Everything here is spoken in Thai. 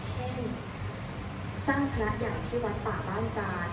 เช่นสร้างพระใหญ่ที่วัดป่าบ้านจาน